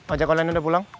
ojek online udah pulang